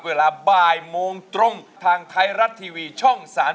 เวลาบ่ายโมงตรงทางไทยรัฐทีวีช่อง๓๒